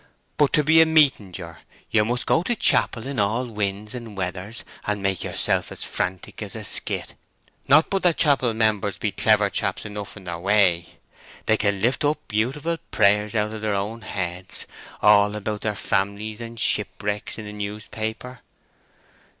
But to be a meetinger, you must go to chapel in all winds and weathers, and make yerself as frantic as a skit. Not but that chapel members be clever chaps enough in their way. They can lift up beautiful prayers out of their own heads, all about their families and shipwrecks in the newspaper."